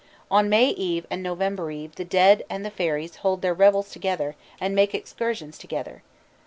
On May Eve and November Eve the dead and the fairies hold their revels together and make excursions together.